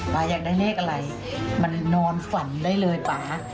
อยากได้เลขอะไรมันนอนฝันได้เลยป่า